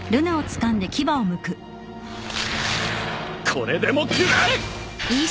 これでもくらえ！